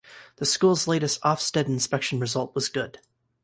The school's latest Ofsted inspection result was Good.